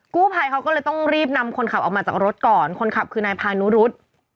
กู้ภัยเขาก็เลยต้องรีบนำคนขับออกมาจากรถก่อนคนขับคือนายพานุรุษ